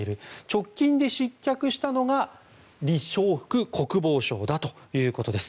直近で失脚したのがリ・ショウフク国防相だということです。